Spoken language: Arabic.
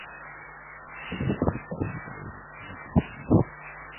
كُلُوا وَتَمَتَّعُوا قَلِيلًا إِنَّكُمْ مُجْرِمُونَ